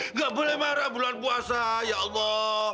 nggak boleh marah bulan puasa ya allah